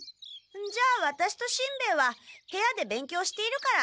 じゃあワタシとしんべヱは部屋で勉強しているから。